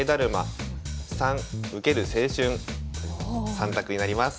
３択になります。